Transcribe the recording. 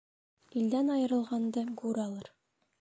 Илдән айырылғанды гүр алыр.